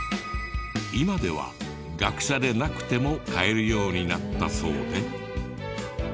今では学者でなくても買えるようになったそうで。